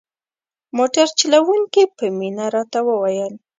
موټر چلوونکي په مینه راته وویل.